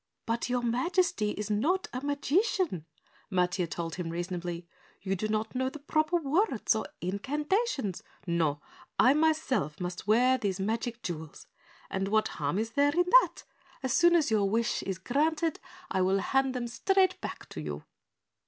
"But your Majesty is not a magician," Matiah told him reasonably. "You do not know the proper words or incantations. No, I myself must wear these magic jewels. And what harm is there in that? As soon as your wish is granted I will hand them straight back to you."